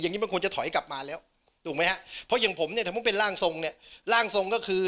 อย่างนี้มันควรจะถอยกลับมาแล้วถูกไหมฮะเพราะอย่างผมเนี่ยถ้าผมเป็นร่างทรงเนี่ยร่างทรงก็คือ